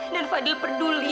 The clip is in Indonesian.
dan fadil peduli